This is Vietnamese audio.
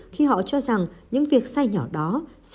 khi họ cho rằng những việc sai nhỏ đó